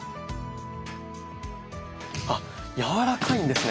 あっやわらかいんですね。